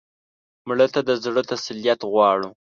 مړه ته د زړه تسلیت غواړو